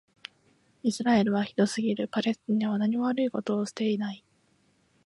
イスラエルはひどすぎる。パレスチナはなにも悪いことをしていない。